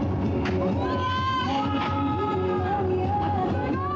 すごい！